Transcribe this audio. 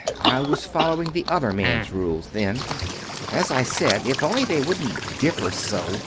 I was following the other man's rules, then. As I said, if only they wouldn't differ so!